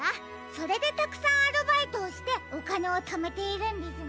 それでたくさんアルバイトをしておかねをためているんですね。